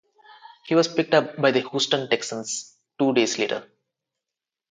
He was picked up by the Houston Texans two days later.